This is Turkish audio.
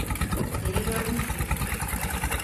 Seni görmüştüm.